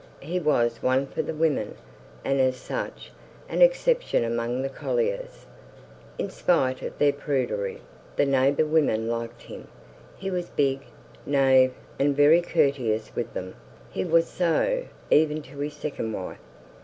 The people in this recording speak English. He was one for the women, and as such, an exception among the colliers. In spite of their prudery, the neighbour women liked him; he was big, naïve, and very courteous with them; he was so, even to his second wife.